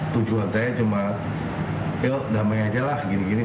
tujuan saya cuma yuk damai aja lah gini gini